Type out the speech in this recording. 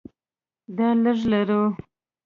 دا لږې لرو.